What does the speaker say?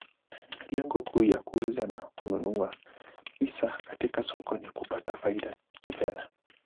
Lengo kuu ya kuuza na kununua hisa katika soko ni kupata faida kifedha.